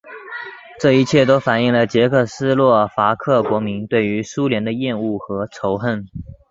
这一切都反映了捷克斯洛伐克国民对于苏联的厌恶和仇恨。